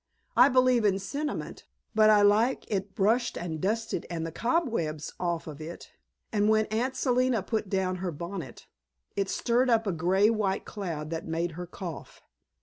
I believe in sentiment, but I like it brushed and dusted and the cobwebs off of it, and when Aunt Selina put down her bonnet, it stirred up a gray white cloud that made her cough.